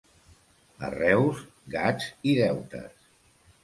A Reus, gats i deutes.